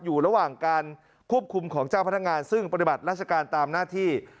อยู่ระหว่างการควบคุมของเจ้าพนักงานซึ่งปฏิบัติราชการตามหน้าที่